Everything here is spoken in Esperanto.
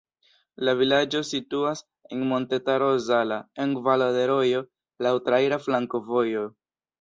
La vilaĝo situas en Montetaro Zala, en valo de rojo, laŭ traira flankovojo.